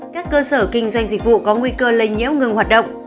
các cơ sở kinh doanh dịch vụ có nguy cơ lây nhiễm ngừng hoạt động